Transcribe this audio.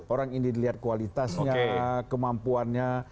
orang ini dilihat kualitasnya kemampuannya